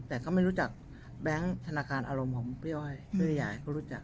แต่เขาไม่รู้จักแบงค์ธนาคารอารมณ์ของพี่ย้าย